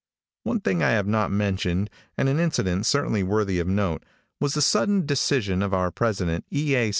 One thing I have not mentioned, and an incident certainly worthy of note, was the sudden decision of our president, E. A.